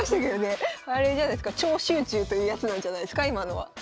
あれじゃないすか超集中というやつなんじゃないすか今のは。